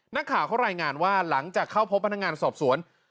นักข่าวเขารายงานว่าหลังจากเข้าพบพนักงานสอบสวน